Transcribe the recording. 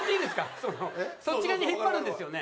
そっち側に引っ張るんですよね？